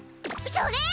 それ！